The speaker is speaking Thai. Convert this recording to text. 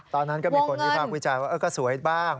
ตอนนั้นก็มีคนวิพากษ์วิจารณ์ว่าก็สวยบ้าง